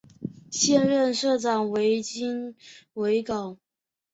现任社长为金炳镐。